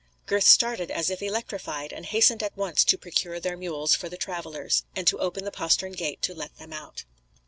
Gurth started as if electrified, and hastened at once to procure their mules for the travellers, and to open the postern gate to let them out.